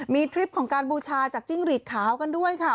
มีทริปของการบูชาจากจิ้งหลีดขาวกันด้วยค่ะ